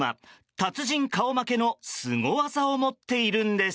達人顔負けのすご技を持っているんです。